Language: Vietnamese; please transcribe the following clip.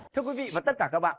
thưa quý vị và tất cả các bạn